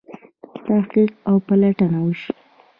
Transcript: تحقیق او پلټنه وشي.